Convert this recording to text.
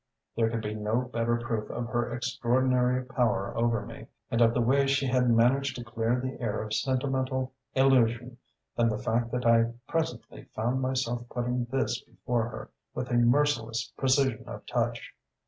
"There could be no better proof of her extraordinary power over me, and of the way she had managed to clear the air of sentimental illusion, than the fact that I presently found myself putting this before her with a merciless precision of touch.